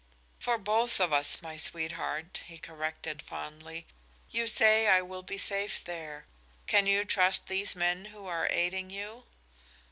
"For both of us, my sweetheart," he corrected, fondly. "You say I will be safe there. Can you trust these men who are aiding you?"